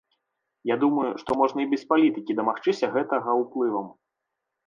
Я думаю, што можна і без палітыкі дамагчыся гэтага уплывам.